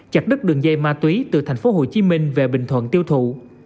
chặt đứt đường dây ma túy từ thành phố hồ chí minh về bình thuận tiêu thụ